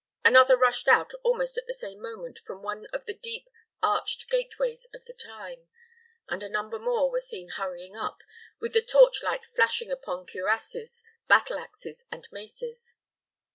Another rushed out almost at the same moment from one of the deep, arched gateways of the time, and a number more were seen hurrying up, with the torch light flashing upon cuirasses, battle axes, and maces.